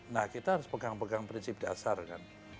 nah kita harus pegang pegang prinsip dasar kan